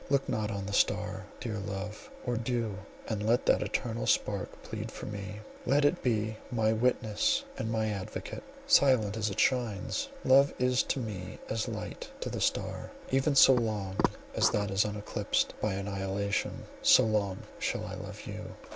Look not on the star, dear love, or do, and let that eternal spark plead for me; let it be my witness and my advocate, silent as it shines—love is to me as light to the star; even so long as that is uneclipsed by annihilation, so long shall I love you."